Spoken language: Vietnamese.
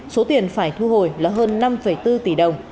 số tiền phải thu hồi là hơn năm bốn tỷ đồng